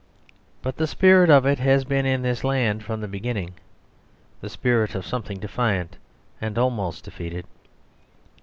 But the spirit of it has been in this land from the beginning the spirit of something defiant and almost defeated.